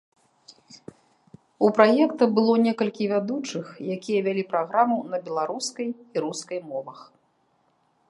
У праекта было некалькі вядучых, якія вялі праграму на беларускай і рускай мовах.